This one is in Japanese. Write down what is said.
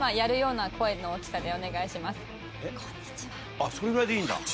あっそれぐらいでいいんだ？